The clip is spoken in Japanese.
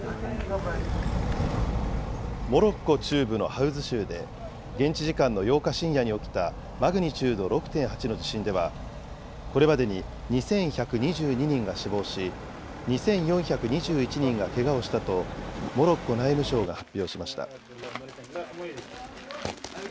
モロッコ中部のハウズ州で、現地時間の８日深夜に起きたマグニチュード６．８の地震では、これまでに２１２２人が死亡し、２４２１人がけがをしたと、モロッコ内務省が発表しました。